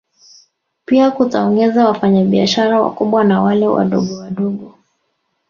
Pia kutaongeza wafanya biashara wakubwa na wale wadogowadogo